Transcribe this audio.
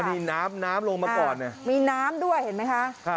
อ๋อนี้น้ำร่มลงมาป่อนมีน้ำด้วยเห็นไหมคะค่ะ